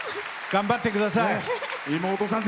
頑張ってください。